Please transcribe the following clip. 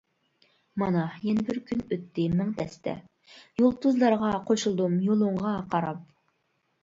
مانا يەنە بىر كۈن ئۆتتى مىڭ تەستە, يۇلتۇزلارغا قوشۇلدۇم يولۇڭغا قاراپ !